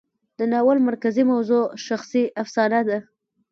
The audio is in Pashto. د ناول مرکزي موضوع شخصي افسانه ده.